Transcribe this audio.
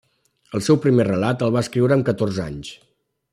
El seu primer relat el va escriure amb catorze anys.